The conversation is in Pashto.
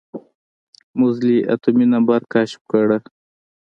موزلي اتومي نمبر کشف کړه.